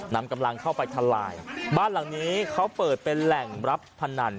นำกำลังเข้าไปทลายบ้านหลังนี้เขาเปิดเป็นแหล่งรับพนัน